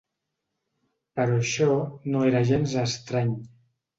Però això no era gens estrany.